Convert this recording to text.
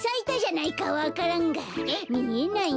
みえないの？